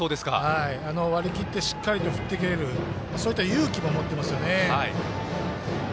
割り切ってしっかりと振っていけるそういった勇気も持っていますよね。